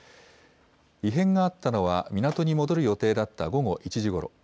異変があったのは、港に戻る予定だった午後１時ごろ。